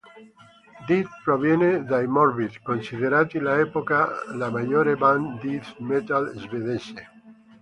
Dead proviene dai Morbid, considerati all'epoca la maggiore band death metal svedese.